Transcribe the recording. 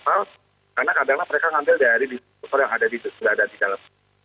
karena kadang kadang mereka mengambil dari diskusor yang sudah ada di dalam